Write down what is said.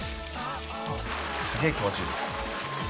すげえ気持ちいいっす。